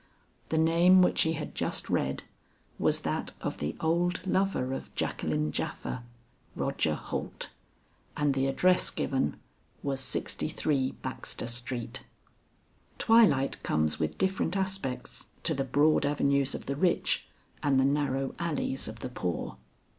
The name which he had just read, was that of the old lover of Jacqueline Japha, Roger Holt, and the address given, was 63 Baxter Street. Twilight comes with different aspects to the broad avenues of the rich, and the narrow alleys of the poor.